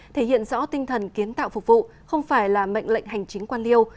thể hiện rõ tinh thần kiến tạo phục vụ không phải là mệnh lệnh hành chính quan liêu